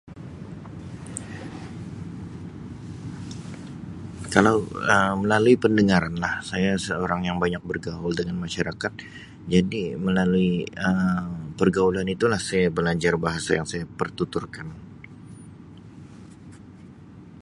Kalau Um melalui pendangaran lah saya seorang yang banyak bergaul dengan masyarakat jadi melalui Um pergaulan itulah saya belajar bahasa yang saya pertuturkan.